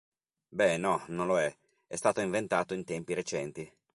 Beh, no, non lo è, è stato inventato in tempi recenti.